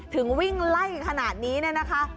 วิ่งไล่ขนาดนี้เนี่ยนะคะ